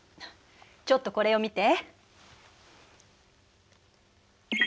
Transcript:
ちょっとこれを見て。